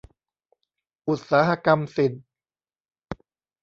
อุตสาหกรรมศิลป์